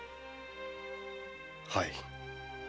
はい。